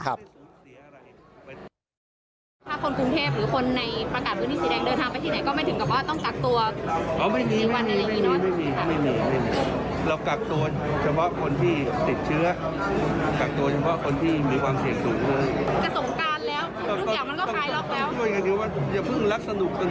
ถ้าคนกรุงเทพฯหรือคนในประกาศพื้นที่สีแดง